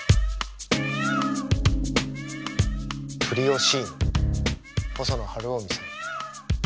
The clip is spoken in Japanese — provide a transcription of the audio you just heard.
「プリオシーヌ」細野晴臣さん。